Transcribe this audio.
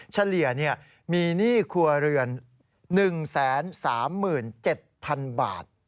เฉลี่ยมีหนี้ครัวเรือน๑๓๗๐๐๐บาท